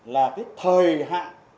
là cái thời hạn